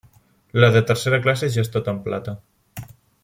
La de tercera classe ja és tota en plata.